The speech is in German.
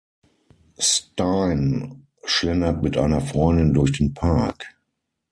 Stine schlendert mit einer Freundin durch den Park.